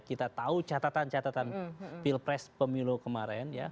kita tahu catatan catatan pilpres pemilu kemarin ya